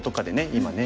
今ね